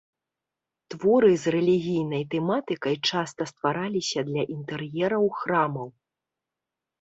Творы з рэлігійнай тэматыкай часта ствараліся для інтэр'ераў храмаў.